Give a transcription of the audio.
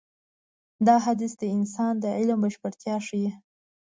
دا حديث د انسان د علم بشپړتيا ښيي.